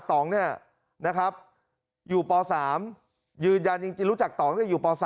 ตองเนี่ยนะครับอยู่ป๓ยืนยันจริงจริงรู้จักตองก็อยู่ป๓